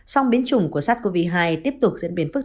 song biến chủng của sars cov hai tiếp tục diễn biến phức